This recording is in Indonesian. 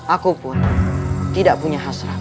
aku pun tidak punya hasrat